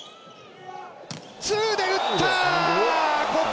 ツーで打った！